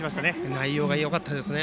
内容がよかったですね。